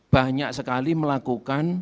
banyak sekali melakukan